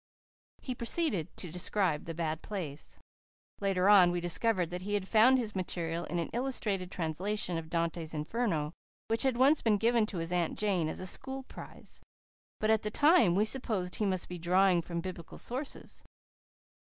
He proceeded to describe the bad place. Later on we discovered that he had found his material in an illustrated translation of Dante's Inferno which had once been given to his Aunt Jane as a school prize. But at the time we supposed he must be drawing from Biblical sources.